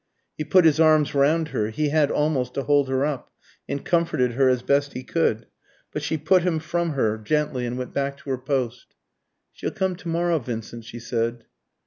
He put his arms round her (he had almost to hold her up), and comforted her as best he could. But she put him from her gently, and went back to her post. "She'll come to morrow, Vincent," she said.